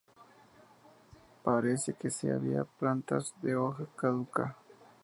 Parece que se había plantas de hoja caduca.